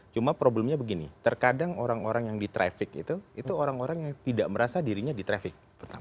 cuma problemnya begini terkadang orang orang yang di traffic itu orang orang yang tidak merasa dirinya di traffic